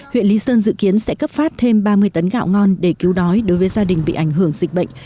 huyện lý sơn dự kiến sẽ cấp phát thêm ba mươi tấn gạo ngon để cứu đói đối với gia đình bị ảnh hưởng dịch bệnh